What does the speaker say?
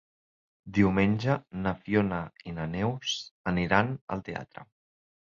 Diumenge na Fiona i na Neus aniran al teatre.